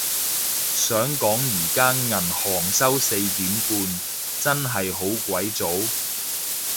想講而家銀行收四點半，真係好鬼早